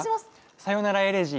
「さよならエレジー」。